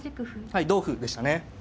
はい同歩でしたね。